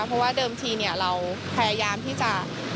เพราะว่าเดิมทีเราพยายามที่จะ